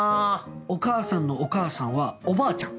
『お母さんのお母さんはおばあちゃん』。